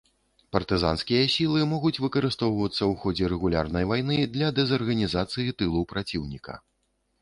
Партызанскія сілы могуць выкарыстоўвацца ў ходзе рэгулярнай вайны для дэзарганізацыі тылу праціўніка.